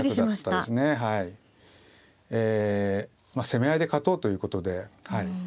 攻め合いで勝とうということではい。